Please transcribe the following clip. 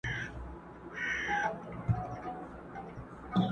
ما یې دنګه ونه په خوبونو کي لیدلې وه!